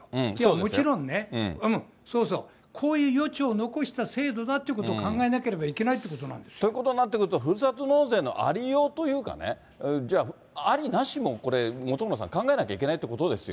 もちろんね、そうそう、こういう余地を残した制度だってことを考えなければいけないってということになってくると、ふるさと納税のありようというかね、じゃあ、ありなしもこれ、本村さん、考えなきゃいけないということですよ。